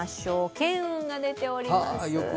巻雲が出ております。